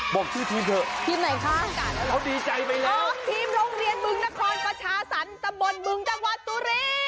บอกชื่อทีมเถอะเขาดีใจไปแล้วอ๋อทีมโรงเรียนเบื้องนครประชาศรรย์ตะบนเบื้องจังหวัดตุเรศ